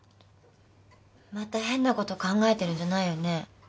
また変なこと考えてるんじゃないよね？